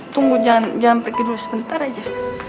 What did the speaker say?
tunggu jangan pergi dulu sebentar aja